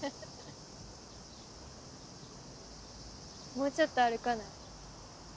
もうちょっと歩かない？